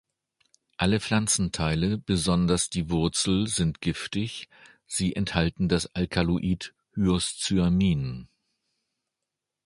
Alle Pflanzenteile, besonders die Wurzel sind giftig, sie enthalten das Alkaloid Hyoscyamin.